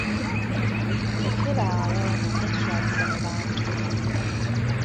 Lekera awo okunswaliza mu bantu.